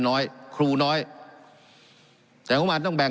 การปรับปรุงทางพื้นฐานสนามบิน